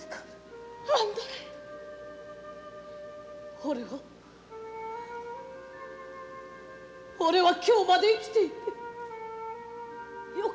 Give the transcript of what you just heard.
俺は俺は今日まで生きていて良かった。